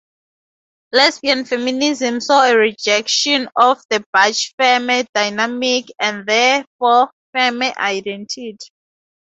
Lesbian Feminism saw a rejection of the Butch-Femme dynamic and therefore Femme identity.